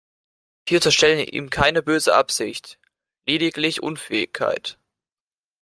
Wir unterstellen ihm keine böse Absicht, lediglich Unfähigkeit.